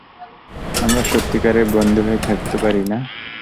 আমরা সত্যিকারের বন্ধু হয়ে থাকতে পারি না?